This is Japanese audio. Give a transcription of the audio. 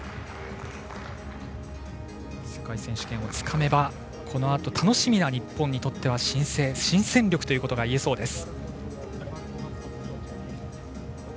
世界選手権をつかめばこのあと楽しみな日本にとっては新戦力といえそうです。